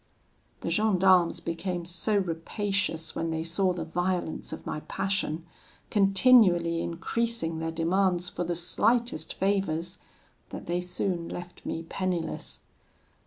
"The gendarmes became so rapacious when they saw the violence of my passion, continually increasing their demands for the slightest favours, that they soon left me penniless.